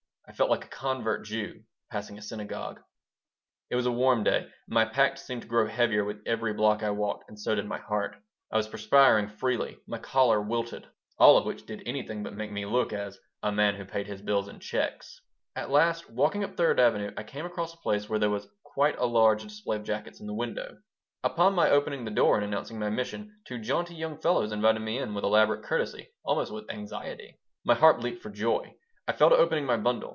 I felt like a convert Jew passing a synagogue It was a warm day. My pack seemed to grow heavier with every block I walked, and so did my heart. I was perspiring freely; my collar wilted. All of which did anything but make me look as "a man who paid his bills in checks." At last, walking up Third Avenue I came across a place where there was quite a large display of jackets in the windows. Upon my opening the door and announcing my mission, two jaunty young fellows invited me in with elaborate courtesy, almost with anxiety. My heart leaped for joy. I fell to opening my bundle.